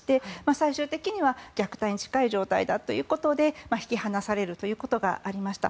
最終的には虐待に近いような状態だということで引き離されるということがありました。